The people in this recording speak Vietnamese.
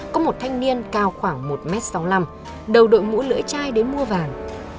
có một thanh niên cao khoảng một m sáu mươi năm đầu đội mũ lưỡi chai đến mua vàng